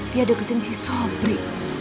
dia deketin si sobri